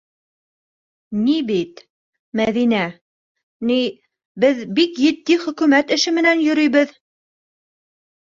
Ни бит, Мәҙинә, ни, беҙ бик етди хөкүмәт эше менән йөрөйбөҙ!